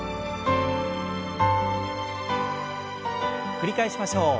繰り返しましょう。